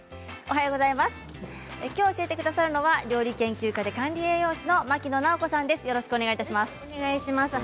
きょう教えてくださるのは料理研究家で管理栄養士の牧野直子さんです。